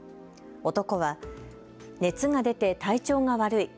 男は、熱が出て体調が悪い。